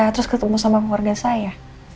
terus ketemu sama keluarga saya